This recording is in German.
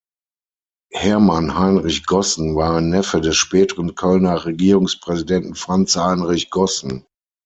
Hermann Heinrich Gossen war ein Neffe des späteren Kölner Regierungspräsidenten Franz Heinrich Gossen.